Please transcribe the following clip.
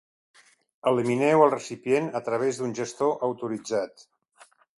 Elimineu el recipient a través d'un gestor autoritzat.